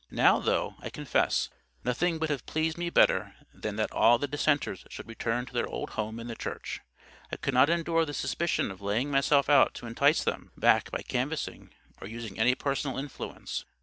Now, though, I confess, nothing would have pleased me better than that all the dissenters should return to their old home in the Church, I could not endure the suspicion of laying myself out to entice them back by canvassing or using any personal influence.